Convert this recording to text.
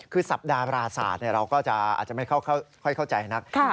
คือสัปดาห์ปราสาทเราก็จะอาจจะไม่ค่อยเข้าใจนะครับ